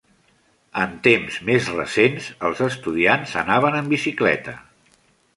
En temps més recents, els estudiants anaven en bicicleta.